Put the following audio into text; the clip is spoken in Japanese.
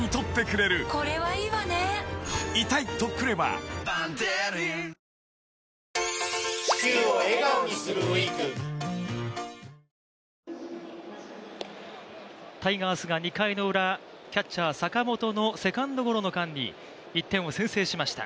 「ＪＡＰＡＮＡＬＥ香」新発売タイガースが２回のウラ、キャッチャー・坂本のセカンドゴロの間に１点を先制しました。